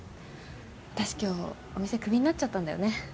私今日お店クビになっちゃったんだよね。